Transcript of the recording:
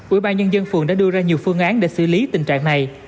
ủy ban nhân dân phường đã đưa ra nhiều phương án để xử lý tình trạng này